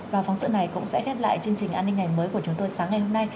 và phóng sự này cũng sẽ khép lại chương trình an ninh ngày mới của chúng tôi sáng ngày hôm nay